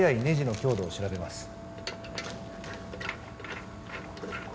ネジの強度を調べます